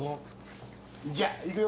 じゃあ行くよ